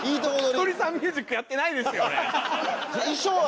ひとりサンミュージックやってないですよ俺。